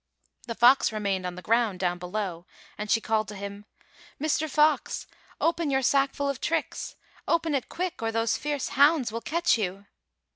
The fox remained on the ground down below, and she called to him: "Mr. Fox, open your sackful of tricks! Open it quick or those fierce hounds will catch you.